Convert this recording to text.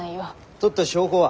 とった証拠は？